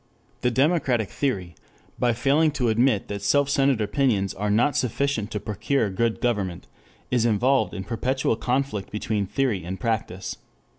The democratic theory by failing to admit that self centered opinions are not sufficient to procure good government, is involved in perpetual conflict between theory and practice.